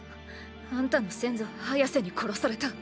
あんたの先祖ハヤセに殺された。